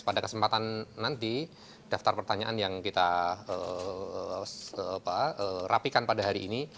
pada kesempatan nanti daftar pertanyaan yang kita rapikan pada hari ini